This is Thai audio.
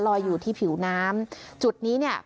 อยู่ที่ผิวน้ำจุดนี้เนี่ย